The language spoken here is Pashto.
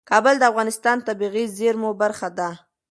کابل د افغانستان د طبیعي زیرمو برخه ده.